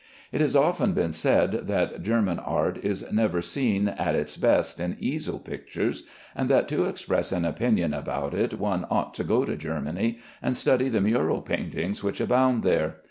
It has often been said that German art is never seen at its best in easel pictures, and that to express an opinion about it one ought to go to Germany, and study the mural paintings which abound there.